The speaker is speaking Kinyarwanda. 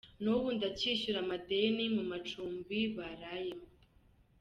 N'ubu ndakishyura amadeni mu macumbi barayemo.